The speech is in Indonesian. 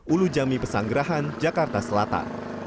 ulu jami pesanggerahan jakarta selatan